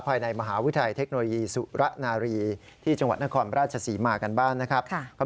ภายในมหาวิทยาลัยเทคโนโลยีสุระนารีที่จังหวัดนครราชศรีมากันบ้านนะครับ